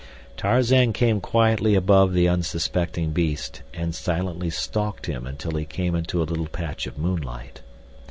Tarzan came quietly above the unsuspecting beast and silently stalked him until he came into a little patch of moonlight.